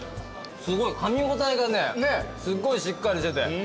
すごいかみ応えがねすごいしっかりしてて。